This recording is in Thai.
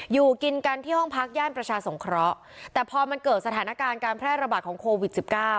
อยู่กินกันที่ห้องพักย่านประชาสงเคราะห์แต่พอมันเกิดสถานการณ์การแพร่ระบาดของโควิด๑๙